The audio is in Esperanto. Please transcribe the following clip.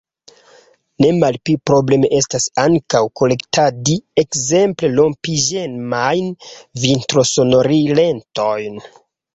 Ne malpli probleme estas ankaŭ kolektadi, ekzemple, rompiĝemajn vitrosonoriletojn.